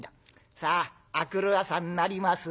さあ明くる朝になります。